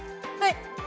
はい！